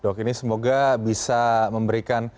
dok ini semoga bisa memberikan